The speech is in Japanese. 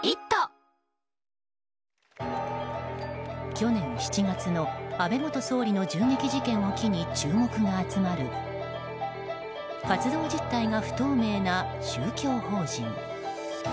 去年７月の安倍元総理の銃撃事件を機に注目が集まる活動実態が不透明な宗教法人。